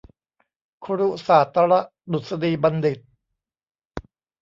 คุรุศาสตรดุษฎีบัณฑิต